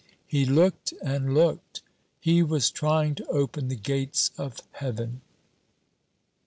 He looked and looked. He was trying to open the gates of heaven.